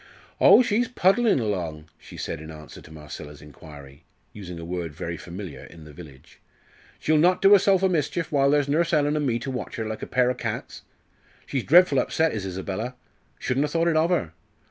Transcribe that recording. "Oh, she's puddlin' along," she said in answer to Marcella's inquiry, using a word very familiar in the village. "She'll not do herself a mischief while there's Nurse Ellen an' me to watch her like a pair o' cats. She's dreadful upset, is Isabella shouldn't ha' thought it of her.